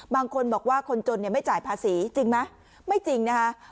บางคนบอกว่าคนจนเนี่ยไม่จ่ายภาษีจริงไหมไม่จริงนะคะ